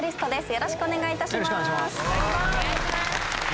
よろしくお願いします。